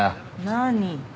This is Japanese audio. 何？